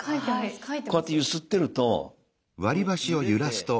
こうやって揺すってると揺れて。